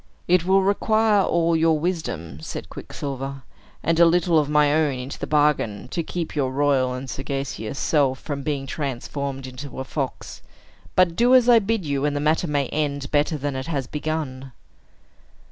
"It will require all your wisdom," said Quicksilver, "and a little of my own into the bargain, to keep your royal and sagacious self from being transformed into a fox. But do as I bid you; and the matter may end better than it has begun."